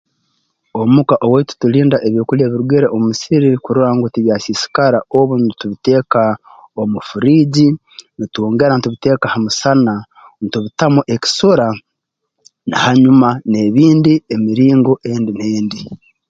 Omu ka owaitu tulinda ebyokulya ebirugire mu musiri kurora tibyasiisikara obu nitubiteeka omu furiji nutwongera ntubeteeka ha musana ntubitamu ekisura na hanyuma n'ebindi emiringo endi n'endi